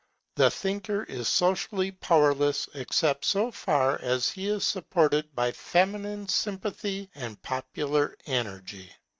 The thinker is socially powerless except so far as he is supported by feminine sympathy and popular energy.